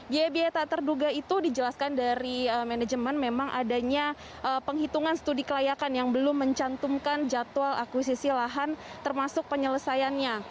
biaya biaya tak terduga itu dijelaskan dari manajemen memang adanya penghitungan studi kelayakan yang belum mencantumkan jadwal akuisisi lahan termasuk penyelesaiannya